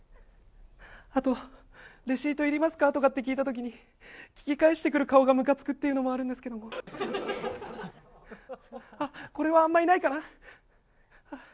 あとレシートいりますか？とかって聞いたときに聞き返してくる顔がムカつくっていうのもあるんですけど、これはあまりないかな。